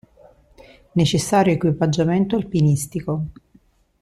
Necessario equipaggiamento alpinistico.